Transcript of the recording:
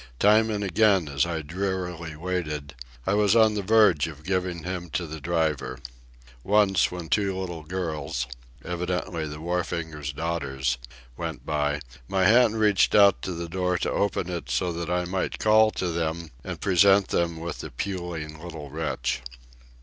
Time and again, as I drearily waited, I was on the verge of giving him to the driver. Once, when two little girls—evidently the wharfinger's daughters—went by, my hand reached out to the door to open it so that I might call to them and present them with the puling little wretch.